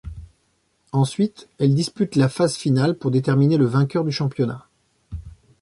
Ensuite, elles disputent la phase finale pour déterminer le vainqueur du championnat.